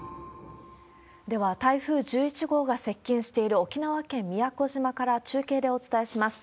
では、台風１１号が接近している沖縄県宮古島から中継でお伝えします。